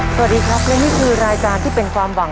สวัสดีครับและนี่คือรายการที่เป็นความหวัง